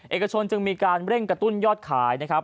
เอกชนจึงมีการเร่งกระตุ้นยอดขายนะครับ